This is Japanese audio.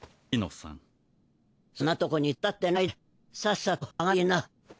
そんなとこに突っ立ってないでさっさと上がりな。